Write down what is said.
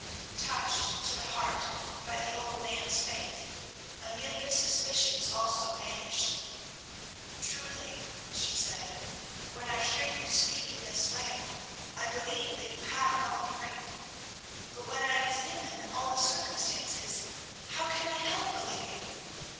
'" Touched to the heart by the old man's faith, Amelia's suspicions also vanished. "Truly," she said, "when I hear you speak in this way, I believe that you have not the ring; but when I examine all the circumstances how can I help believing?